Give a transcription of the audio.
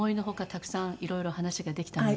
たくさんいろいろ話ができたので。